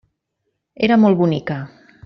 Era molt bonica.